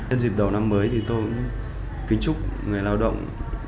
nhân dịp đầu năm mới thì tôi cũng kính chúc người lao động